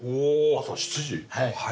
朝７時。